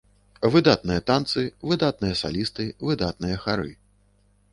Выдатныя танцы, выдатныя салісты, выдатныя хары.